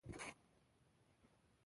جهانی زما یې له لومړۍ ورځی اختیار اخیستی